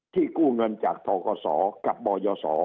กู้เงินจากทกศกับบยศ